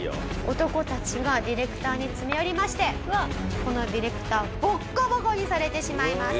男たちがディレクターに詰め寄りましてこのディレクターはボッコボコにされてしまいます。